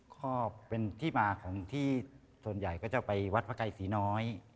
ก็เป็นที่มาของที่ส่วนใหญ่ก็จะไปวัดพระไกรศรีน้อย